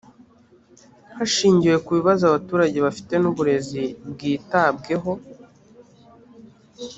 hashingiwe ku bibazo abaturage bafite n’uburezi bwitabweho